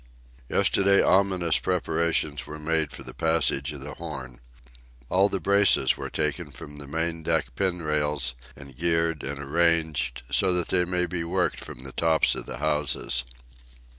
Yesterday ominous preparations were made for the passage of the Horn. All the braces were taken from the main deck pin rails and geared and arranged so that they may be worked from the tops of the houses.